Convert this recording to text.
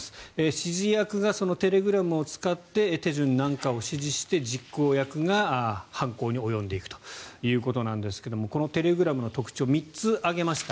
指示役がそのテレグラムを使って手順なんかを指示して実行役が犯行に及んでいくということですがこのテレグラムの特徴３つ挙げました。